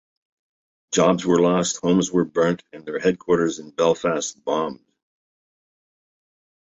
Jobs were lost, homes were burnt and their headquarters in Belfast bombed.